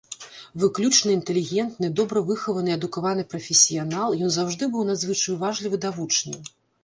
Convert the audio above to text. Выключна інтэлігентны, добра выхаваны і адукаваны прафесіянал, ён заўжды быў надзвычай уважлівы да вучняў.